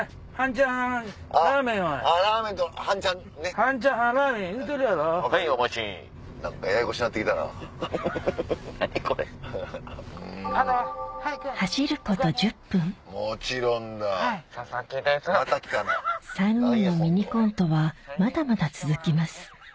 ３人のミニコントはまだまだ続きます